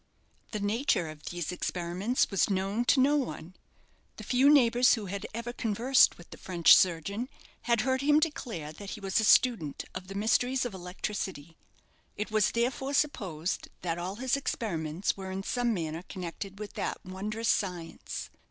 The nature of these experiments was known to no one. The few neighbours who had ever conversed with the French surgeon had heard him declare that he was a student of the mysteries of electricity. It was, therefore, supposed that all his experiments were in some manner connected with that wondrous science.